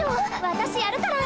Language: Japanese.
私やるから。